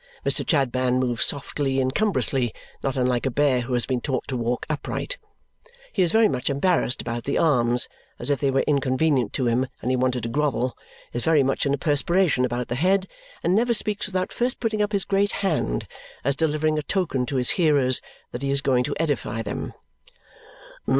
Mr. Chadband moves softly and cumbrously, not unlike a bear who has been taught to walk upright. He is very much embarrassed about the arms, as if they were inconvenient to him and he wanted to grovel, is very much in a perspiration about the head, and never speaks without first putting up his great hand, as delivering a token to his hearers that he is going to edify them.